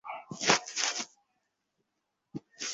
Timer বদলালেই কাজ হবে না!